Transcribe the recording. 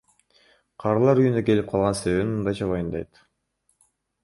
Карылар үйүнө келип калган себебин мындайча баяндайт.